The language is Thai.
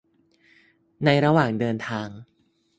ในระหว่างเดินทาง